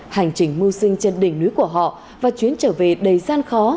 hành trình mưu sinh trên đỉnh núi của họ và chuyến trở về đầy gian khó